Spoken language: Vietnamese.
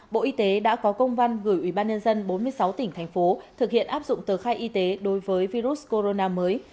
bộ y tế đã có công văn gửi ủy ban nhân dân bốn mươi sáu tỉnh thành phố thực hiện áp dụng tờ khai y tế đối với virus corona mới